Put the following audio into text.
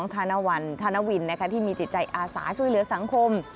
วันธนวินที่มีจิตใจอาสาช่วยเหลือสังคม